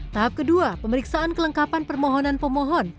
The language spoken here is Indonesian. tahap kedua pemeriksaan kelengkapan permohonan pemohon